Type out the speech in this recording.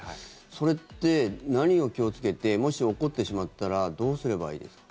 それって、何を気をつけてもし起こってしまったらどうすればいいですか。